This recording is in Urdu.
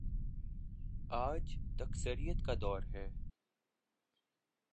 آج تکثیریت کا دور ہے۔